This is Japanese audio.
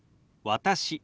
「私」。